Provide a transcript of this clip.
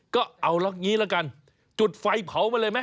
ก็เอาละงี้ละกันจุดไฟเผามาเลยไหม